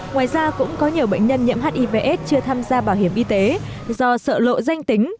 ngoài ra cũng có nhiều bệnh nhân nhiễm hivs chưa tham gia bảo hiểm y tế do sợ lộ danh tính